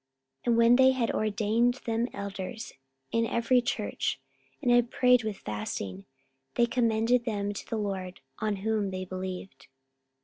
44:014:023 And when they had ordained them elders in every church, and had prayed with fasting, they commended them to the Lord, on whom they believed.